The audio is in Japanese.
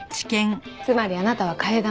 つまりあなたは替え玉。